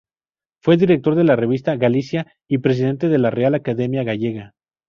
Fue director de la Revista "Galicia" y presidente de la Real Academia Gallega.